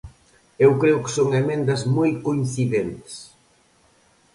Eu creo que son emendas moi coincidentes.